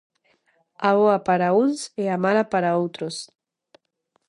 A boa para uns e a mala para outros.